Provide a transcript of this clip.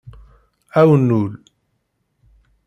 Awnul